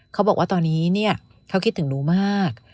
เขาบอกว่าตอนนี้เนี่ยเขาคิดถึงหนูมาก